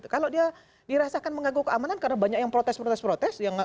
kalau dia dirasakan mengganggu keamanan karena banyak yang protes protes protes